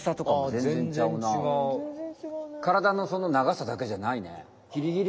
カラダのその長さだけじゃないね。